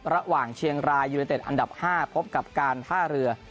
ระหว่างเชียงรายยูเนเต็ดอันดับ๕พบกับการท่าเรือ